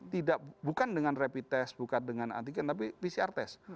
tidak bukan dengan rapid test bukan dengan antigen tapi pcr test